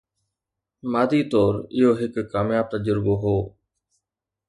مادي طور اهو هڪ ڪامياب تجربو هو